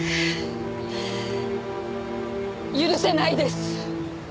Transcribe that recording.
許せないです！